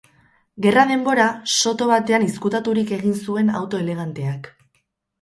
Gerra denbora, soto batean izkutaturik egin zuen auto eleganteak.